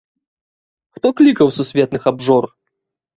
Хто клікаў сусветных абжор!